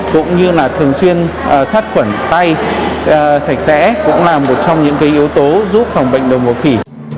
cũng như là thường xuyên sát khuẩn tay sạch sẽ cũng là một trong những cái yếu tố giúp phòng bệnh đậu mùa khỉ